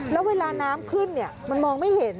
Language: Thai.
แล้วเวลาน้ำขึ้นมันมองไม่เห็น